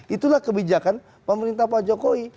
itulah kebijakan pemerintah pak jokowi